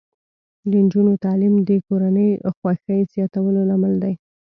د نجونو تعلیم د کورنۍ خوښۍ زیاتولو لامل دی.